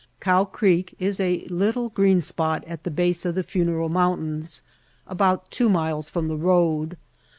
Cow Creek is a little green spot at the base of the Funeral Mountains about two miles from the road.